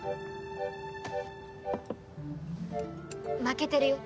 負けてるよ